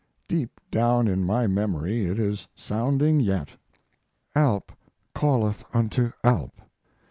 Deep down in my memory it is sounding yet. Alp calleth unto Alp!